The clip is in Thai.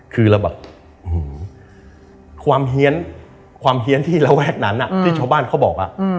คือเราแบบความเฮียนความเฮียนที่ระแวกนั้นที่ชาวบ้านเขาบอก